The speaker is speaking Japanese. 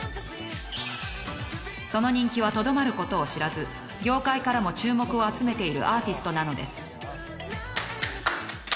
その人気はとどまることを知らず業界からも注目を集めているアーティストなのです。